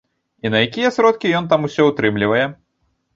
І на якія сродкі ён там усё ўтрымлівае?